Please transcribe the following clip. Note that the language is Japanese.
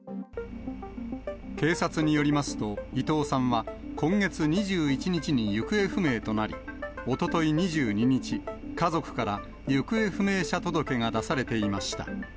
警察によりますと、伊藤さんは、今月２１日に行方不明となり、おととい２２日、家族から行方不明者届が出されていました。